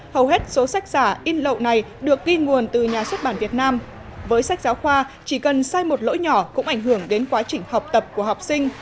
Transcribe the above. hầu hết số sách giả in lậu này được ghi nguồn từ nhà xuất bản việt nam với sách giáo khoa chỉ cần sai một lỗi nhỏ cũng ảnh hưởng đến quá trình học tập của học sinh